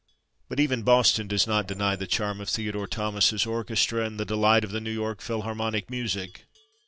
But even Boston does not deny the charm of Theodore Thomas's orchestra and the delight of the New York Philharmonic music.